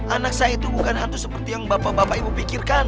anak saya itu bukan hantu seperti yang bapak bapak ibu pikirkan